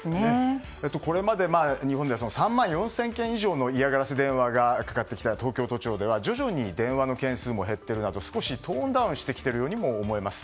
これまで日本で３万４０００件以上の嫌がらせ電話がかかってきた東京都庁では徐々に電話の件数も減っているなど少しトーンダウンしてきているようにも思います。